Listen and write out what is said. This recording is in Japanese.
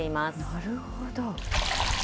なるほど。